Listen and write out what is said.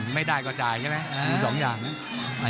ไม่ได้ก็จ่ายใช่มั้ย